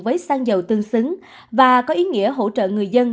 với xăng dầu tương xứng và có ý nghĩa hỗ trợ người dân